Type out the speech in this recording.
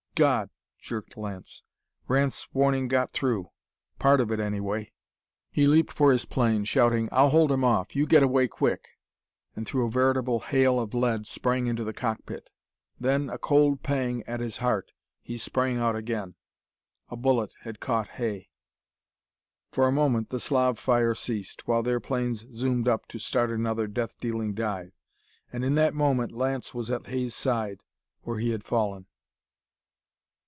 "God!" jerked Lance. "Ranth's warning got through! Part of it, anyway!" He leaped for his plane, shouting: "I'll hold 'em off! You get away quick!" and, through a veritable hail of lead, sprang into the cockpit. Then, a cold pang at his heart, he sprang out again. A bullet had caught Hay! For a moment, the Slav fire ceased, while their planes zoomed up to start another death dealing dive. And in that moment Lance was at Hay's side, where he had fallen.